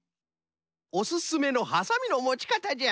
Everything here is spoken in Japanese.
おすすめのはさみのもち方じゃ。